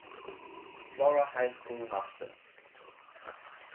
Flora High School machte.